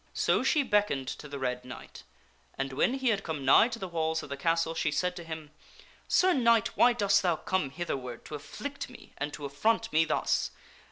So she beckoned to the Red Knight, and when he had come nigh to the walls of the castle, she said to him, " Sir Knight, why dost thou come hitherward to afflict me and to affront me thus